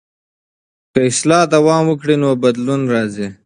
که اصلاح دوام وکړي نو بدلون راځي.